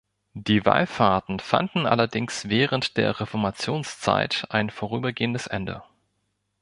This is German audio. Die Wallfahrten fanden allerdings während der Reformationszeit ein vorübergehendes Ende.